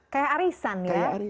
kayak arisan ya